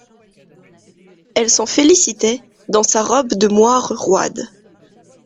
Elle s'en félicitait dans sa robe de moire roide.